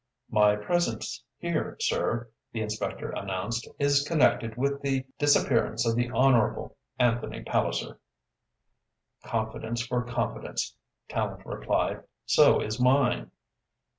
"My presence here, sir," the inspector announced, "is connected with the disappearance of the Honourable Anthony Palliser." "Confidence for confidence," Tallente replied. "So is mine."